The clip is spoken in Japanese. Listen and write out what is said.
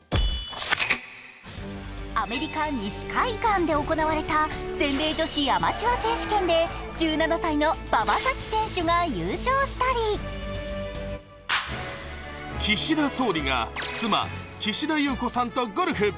アメリカ西海岸で行われた全米女子アマチュア選手権で１７歳の馬場咲希選手が優勝したり岸田総理が妻・岸田裕子さんとゴルフ。